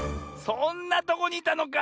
そんなとこにいたのか。